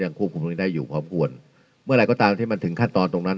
ควบคุมตรงนี้ได้อยู่พอควรเมื่อไหร่ก็ตามที่มันถึงขั้นตอนตรงนั้น